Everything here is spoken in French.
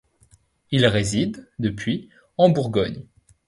Il réside, depuis, en Bourgogne.